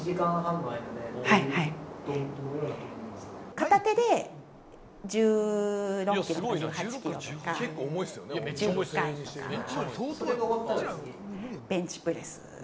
片手で１６キロとか１８キロとか１０回、ベンチプレス。